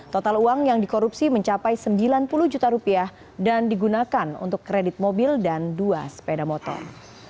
total uang yang dikorupsi mencapai sembilan puluh juta rupiah dan digunakan untuk kredit mobil dan dua sepeda motor